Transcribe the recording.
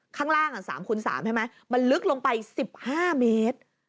ข้างล่าง๓คูณ๓๓ใช่ไหมมันลึกลงไป๑๕เมตร